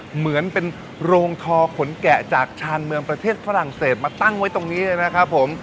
เหมือนเป็นโรงทอขนแกะจากชานเมืองประเทศฝรั่งเศสมาตั้งไว้ตรงนี้เลยนะครับผม